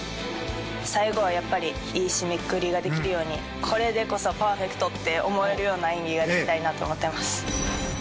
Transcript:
最後はいい締めくくりができるようにこれでこそパーフェクトって思えるような演技をしたいなと思っています。